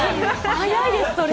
早いです、それは。